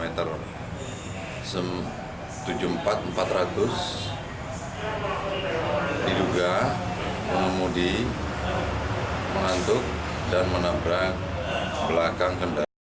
tiga orang di dalam minibus tersebut menembus diduga pengemudi mengantuk dan menabrak belakang kendaraan